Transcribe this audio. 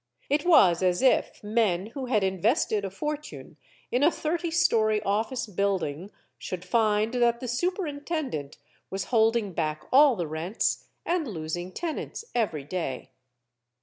It was as if men who had invested a fortune in a thirty story office building should find that the superintendent was holding back all the rents and losing tenants every day.